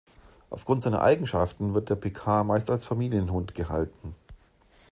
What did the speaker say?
Aufgrund seiner Eigenschaften wird der Picard meist als Familienhund gehalten.